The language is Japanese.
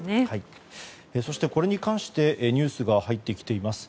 これに関してニュースが入ってきています。